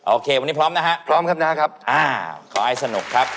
โอเควันนี้พร้อมนะฮะพร้อมครับนะครับอ่าขอให้สนุกครับ